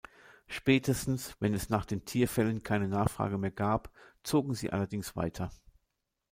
Spätestens, wenn es nach den Tierfellen keine Nachfrage mehr gab, zogen sie allerdings weiter.